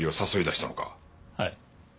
はい。